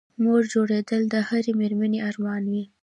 مور جوړېدل د هرې مېرمنې ارمان وي